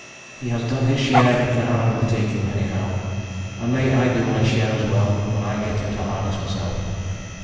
He has done his share in our undertaking anyhow, and may I do my share as well when I get into harness myself.